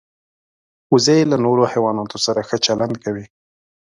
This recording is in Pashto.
وزې له نورو حیواناتو سره ښه چلند کوي